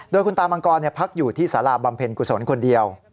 โดยคุณตามังกรพักอยู่ที่สาราบำเพ็ญกุศลคนเดียว